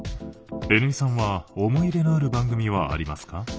Ｎ井さんは思い入れのある番組はありますか？